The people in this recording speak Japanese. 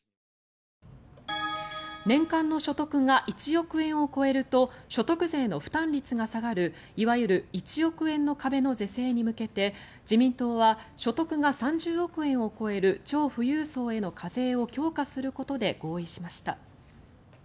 年間の所得が１億円を超えると所得税の負担率が下がるいわゆる１億円の壁の是正に向けて自民党は所得が３０億円を超える超富裕層への課税を強化することで合意しました。